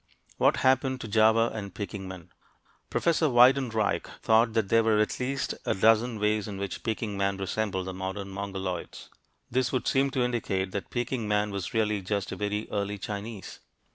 WHAT HAPPENED TO JAVA AND PEKING MEN Professor Weidenreich thought that there were at least a dozen ways in which the Peking man resembled the modern Mongoloids. This would seem to indicate that Peking man was really just a very early Chinese.